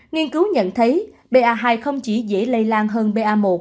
nghiên cứu nhận thấy ba hai không chỉ dễ lây lan hơn ba